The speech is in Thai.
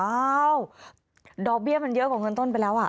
อ้าวดอกเบี้ยมันเยอะกว่าเงินต้นไปแล้ว